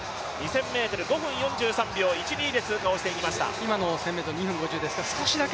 ５分４３秒１２で通過していきました。